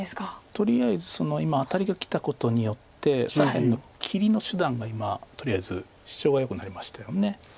とりあえず今アタリがきたことによって左辺の切りの手段が今とりあえずシチョウがよくなりましたよね。